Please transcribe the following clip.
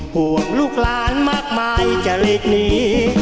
ห่วงลูกหลานมากมายจะหลีกหนี